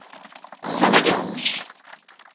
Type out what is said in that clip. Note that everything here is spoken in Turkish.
Sana gelmiş.